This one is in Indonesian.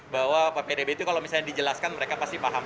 bahwa ppdb itu kalau misalnya dijelaskan mereka pasti paham